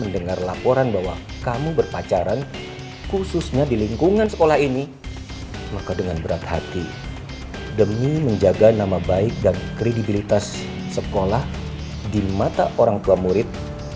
dengan kebaikan dan kredibilitas sekolah di mata orang tua murid